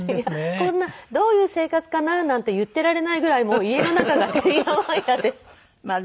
こんな「どういう生活かな？」なんて言っていられないぐらい家の中がてんやわんやで。